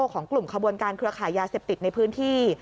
ของกลุ่มขบวนการเครือขายยาเสพติดในพื้นที่